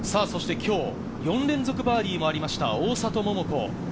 そして今日、４連続バーディーもありました、大里桃子。